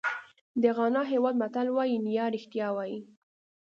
د غانا هېواد متل وایي نیا رښتیا وایي.